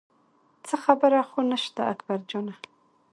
څه خبره خو نه شته اکبر جانه.